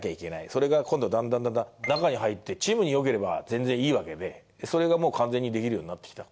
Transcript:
それが今度はだんだんだんだん中に入って、チームによければ、全然いいわけで、それがもう完全にできるようになってきた。